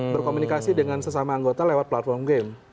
berkomunikasi dengan sesama anggota lewat platform game